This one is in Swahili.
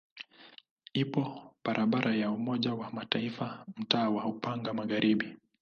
Ipo barabara ya Umoja wa Mataifa mtaa wa Upanga Magharibi.